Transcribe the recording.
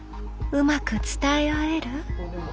うまく伝え合える？